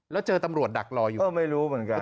แล้วเจอตำรวจดักรออยู่ก็ไม่รู้เหมือนกัน